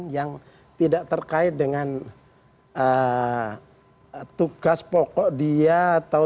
yang sudah terkait dengan kepentingan di dalam perjuangan tersebut atau itu berarti kita harus